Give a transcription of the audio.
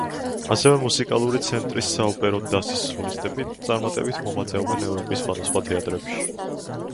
ასევე, მუსიკალური ცენტრის საოპერო დასის სოლისტები წარმატებით მოღვაწეობენ ევროპის სხვადასხვა თეატრებში.